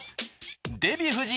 デヴィ夫人